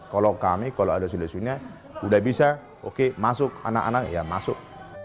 kalau kami kalau ada solusinya udah bisa oke masuk anak anak ya masuk